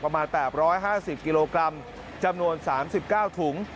ประมาณ๘๕๐กิโลกรัมจำนวน๓๙ถุง